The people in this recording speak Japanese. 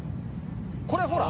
「これほら！